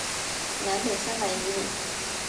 南北三百余里。